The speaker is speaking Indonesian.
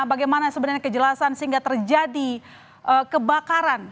bagaimana sebenarnya kejelasan sehingga terjadi kebakaran